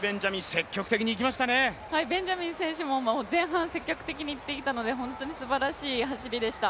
ベンジャミン選手も前半、積極的にいっていたので、本当にすばらしい走りでした。